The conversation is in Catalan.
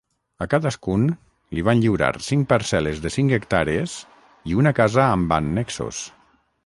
A cadascun li van lliurar cinc parcel·les de cinc hectàrees i una casa amb annexos.